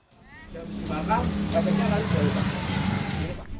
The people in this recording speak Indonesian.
jangan berjumpa kalau tidak jangan berjumpa